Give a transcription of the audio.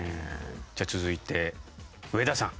じゃあ続いて上田さん。